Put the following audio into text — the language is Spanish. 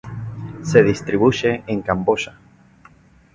Se distribuye en Camboya.